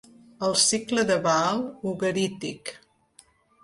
El cicle de Baal ugarític.